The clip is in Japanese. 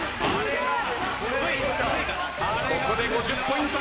ここで５０ポイントゲット。